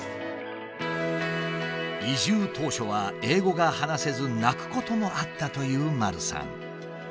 移住当初は英語が話せず泣くこともあったというまるさん。